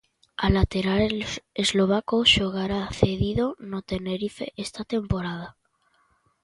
O lateral eslovaco xogará cedido no Tenerife esta temporada.